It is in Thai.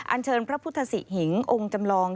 อันเชิญพระพุทธศิหิงองค์จำลอง